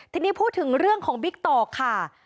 ทีนี้พูดถึงเรื่องของบิ๊กต่อค่ะ